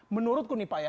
menurutku nih pak ya